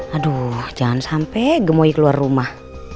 aduh jangan sampe gemoy keluar rumah